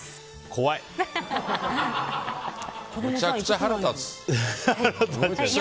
めちゃくちゃ腹立つ。